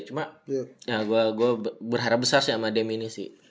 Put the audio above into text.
cuma ya gue berharap besar sih sama dem ini sih